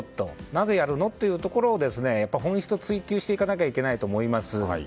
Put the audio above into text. なぜやるのというところを本質を追求していかなければいけないと思います。